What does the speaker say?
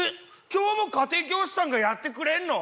今日も家庭教師さんがやってくれんの？